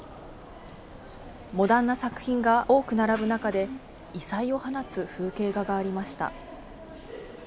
モダンな作品が多く並ぶ中で、異彩を放つ風景画がありました。